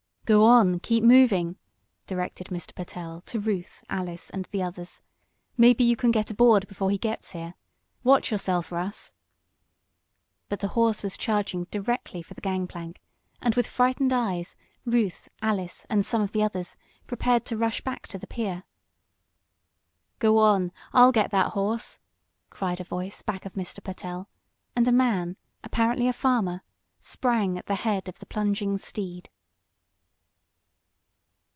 "Go on! Keep moving!" directed Mr. Pertell to Ruth, Alice and the others. "Maybe you can get aboard before he gets here. Watch yourself, Russ!" But the horse was charging directly for the gang plank, and with frightened eyes Ruth, Alice and some of the others prepared to rush back to the pier. "Go on! I'll get that horse!" cried a voice back of Mr. Pertell, and a man, apparently a farmer, sprang at the head of the plunging steed.